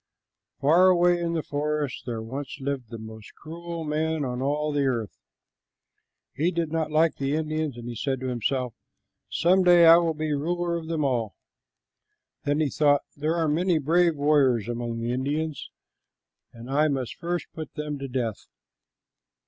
Far away in the forest there once lived the most cruel man on all the earth. He did not like the Indians, and he said to himself, "Some day I will be ruler of them all." Then he thought, "There are many brave warriors among the Indians, and I must first put them to death."